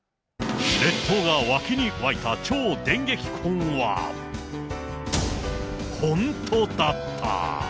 列島が沸きに沸いた超電撃婚は、本当だった！